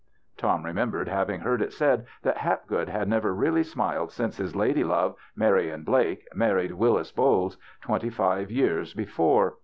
Tom remembered having heard it said that Hapgood had never really smiled since his lady love, Marian Blake, mar ried Willis Bolles, twenty five years before.